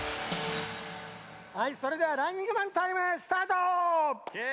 はいそれではランニングマンタイムスタート！